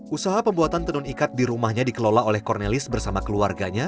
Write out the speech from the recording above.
usaha pembuatan tenun ikat di rumahnya dikelola oleh cornelis bersama keluarganya